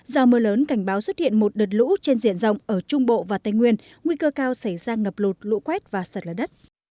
do mưa lớn cảnh báo xuất hiện một đợt lũ trên diện rộng ở trung bộ và tây nguyên nguy cơ cao xảy ra ngập lụt lũ quét và sạt lở đất